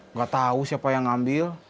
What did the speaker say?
nggak tahu siapa yang ngambil